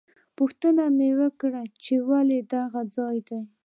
پوښتنه مې وکړه ویل یې دا هغه ځای دی.